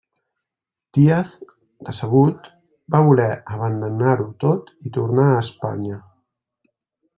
Díaz, decebut, va voler abandonar-ho tot i tornar a Espanya.